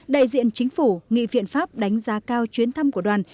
đại diện chính phủ nghị viện pháp đánh giá cao chuyến thăm của đoàn